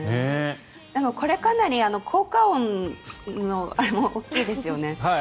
これかなり効果音のあれも大きいですよね。